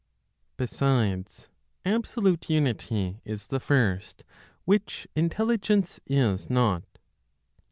BESIDES, ABSOLUTE UNITY IS THE FIRST, WHICH INTELLIGENCE IS NOT.